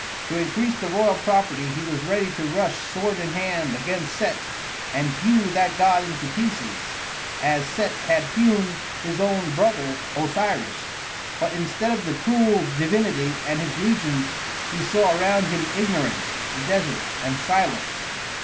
To increase the royal property he was ready to rush sword in hand against Set and hew that god into pieces, as Set had hewn his own brother Osiris. But instead of the cruel divinity and his legions he saw around him ignorance, the desert, and silence.